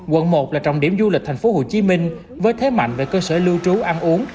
quận một là trọng điểm du lịch tp hcm với thế mạnh về cơ sở lưu trú ăn uống